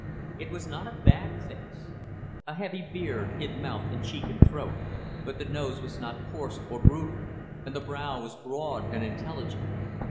It was not a bad face. A heavy beard hid mouth and cheek and throat, but the nose was not coarse or brutal, and the brow was broad and intelligent.